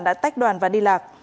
đã tách đoàn và đi lạc